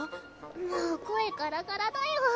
もう声ガラガラだよ